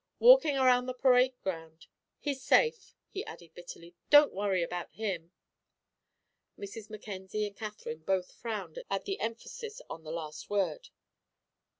"Walking around the parade ground. He's safe," he added bitterly; "don't worry about him." Mrs. Mackenzie and Katherine both frowned at the emphasis on the last word.